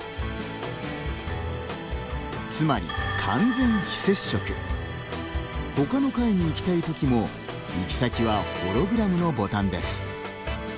つまり完全非接触。ほかの階に行きたい時も行き先はホログラムのボタンです。